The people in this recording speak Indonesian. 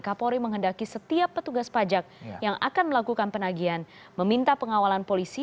kapolri menghendaki setiap petugas pajak yang akan melakukan penagian meminta pengawalan polisi